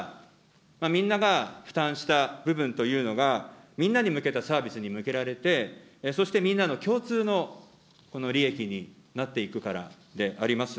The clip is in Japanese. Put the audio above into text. なぜならば、みんなが負担した部分というのが、みんなに向けたサービスに向けられて、そしてみんなの共通の利益になっていくからであります。